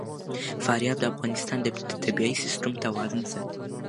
فاریاب د افغانستان د طبعي سیسټم توازن ساتي.